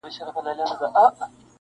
o یو چا سپی ښخ کړئ دئ په هدیره کي,